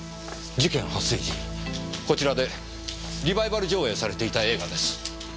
事件発生時こちらでリバイバル上映されていた映画です。